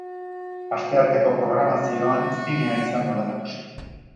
Astearteko programazioan zinea izango da nagusi.